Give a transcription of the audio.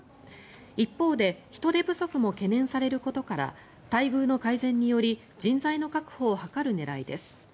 一方で、人手不足も懸念されることから待遇の改善により人材の確保を図る狙いです。